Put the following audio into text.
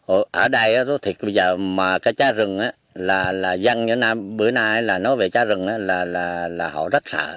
ở đây bây giờ cái cháy rừng là dân việt nam bữa nay nói về cháy rừng là họ rất sợ